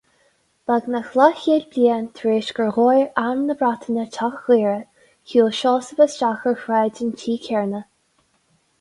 Beagnach leathchéad bliain tar éis gur dhóigh arm na Breataine teach Ghaora, shiúil Seosamh isteach ar shráid an tí chéanna.